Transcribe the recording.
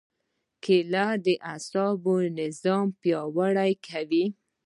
کېله د اعصابو نظام پیاوړی کوي.